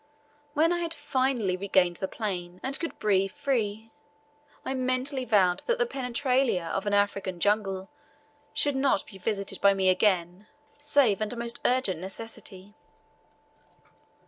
When I had finally regained the plain, and could breathe free, I mentally vowed that the penetralia of an African jungle should not be visited by me again, save under most urgent necessity.